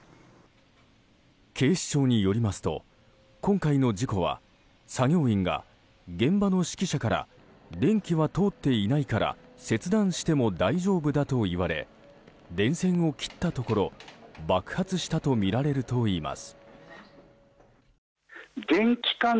警視庁によりますと今回の事故は作業員が現場の指揮者から電気は通っていないから切断しても大丈夫だと言われ電線を切ったところ爆発したとみられるといいます。